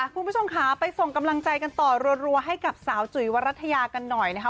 คุณผู้ชมค่ะไปส่งกำลังใจกันต่อรัวให้กับสาวจุ๋ยวรัฐยากันหน่อยนะคะ